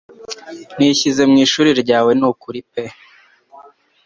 Nishyize mu ishuri ryawe nukuri pe